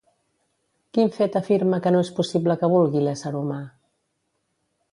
Quin fet afirma que no és possible que vulgui l'ésser humà?